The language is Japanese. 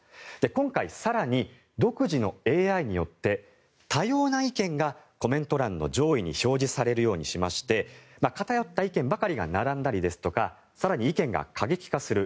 今回、更に独自のＡＩによって多様な意見がコメント欄の上位に表示されるようにしまして偏った意見ばかりが並んだりですとか更に意見が過激化する